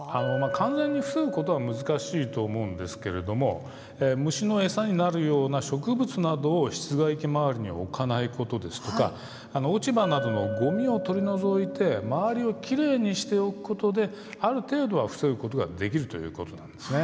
完全に防ぐことは難しいと思いますが虫の餌になるような植物などを室外機周りに置かないことですとか落ち葉などの、ごみを取り除いて周りをきれいにしておくことである程度は防ぐことができるということなんです。